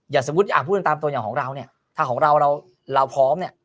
อย่าสมมุติอยากพูดตามตัวเนี่ยของเราถ้าของเราพร้อม